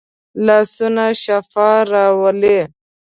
لاسونه شفا راولي